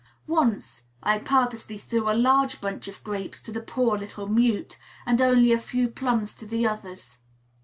Once I purposely threw a large bunch of grapes to the poor little mute, and only a few plums to the others.